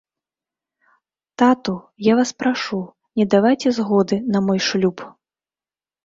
Тату, я вас прашу, не давайце згоды на мой шлюб.